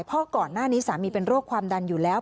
เพราะก่อนหน้านี้สามีเป็นโรคความดันอยู่แล้ว